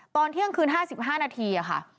ตอนเที่ยงคืน๕๕นาทีค่ะ